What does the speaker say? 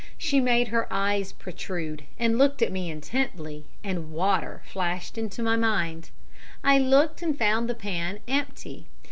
She made her eyes protrude, and looked at me intently, and "water" flashed into my mind. I looked and found the pan empty.